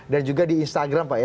dan juga di instagram pak ya